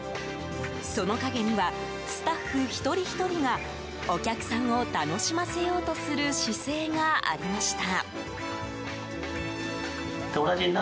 その陰にはスタッフ一人ひとりがお客さんを楽しませようとする姿勢がありました。